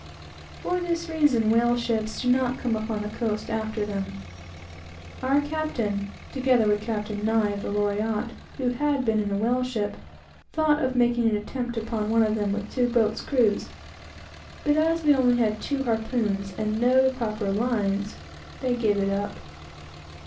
For this reason whale ships do not come upon the coast after them. Our captain, together with Captain Nye of the Loriotte, who had been in a whale ship, thought of making an attempt upon one of them with two boats' crews, but as we had only two harpoons and no proper lines, they gave it up.